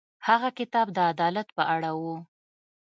هغه کتاب د عدالت په اړه و.